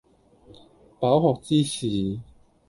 飽學之士